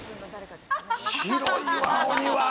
広いわ、お庭！